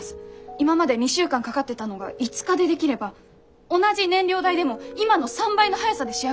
今まで２週間かかってたのが５日でできれば同じ燃料代でも今の３倍の速さで仕上がります。